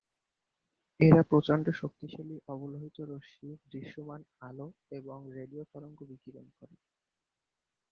এরা প্রচন্ড শক্তিশালী অবলোহিত রশ্মি, দৃশ্যমান আলো এবং রেডিও তরঙ্গ বিকিরণ করে।